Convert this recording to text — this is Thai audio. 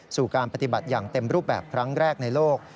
สู่การปฏิบัติอย่างเต็มรูปแบบครั้งแรกในโลก